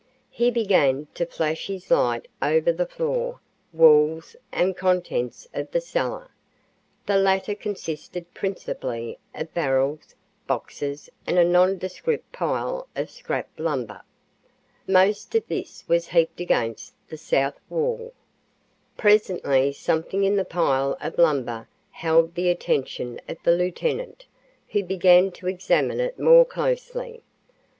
He began to flash his light over the floor, walls, and contents of the cellar. The latter consisted principally of barrels, boxes and a nondescript pile of scrap lumber. Most of this was heaped against the south wall. Presently something in the pile of lumber held the attention of the lieutenant, who began to examine it more closely.